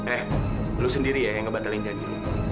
eh lo sendiri ya yang ngebatalin janji